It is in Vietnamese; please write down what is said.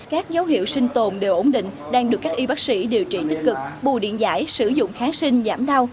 các dấu hiệu sinh tồn đều ổn định đang được các y bác sĩ điều trị tích cực bù điện giải sử dụng kháng sinh giảm đau